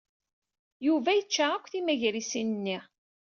Yuba yečča akk timagrisin-nni.